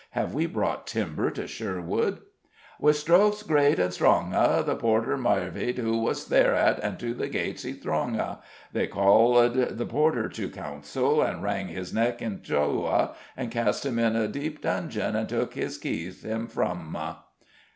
Have we brought timber to Sherwood? With strokes great and stronge a The porter marveiled who was thereat, And to the gates he thronge a. _They called the porter to counsell, And wrange his necke in two a, And caste him in a depe dungeon, And took hys keys hym fro a.